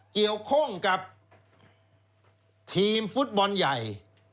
เกี่ยวข้องกับทีมฟุตบอลใหญ่